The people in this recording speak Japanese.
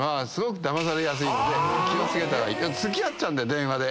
気を付けた方がいい。付き合っちゃうんだよ電話で。